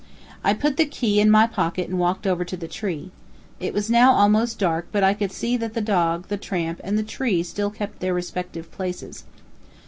I put the key in my pocket and walked over to the tree. It was now almost dark, but I could see that the dog, the tramp, and the tree still kept their respective places.